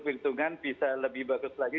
perhitungan bisa lebih bagus lagi